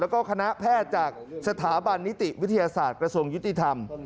แล้วก็คณะแพทย์จากสถาบันนิติวิทยาศาสตร์กระทรวงยุติธรรม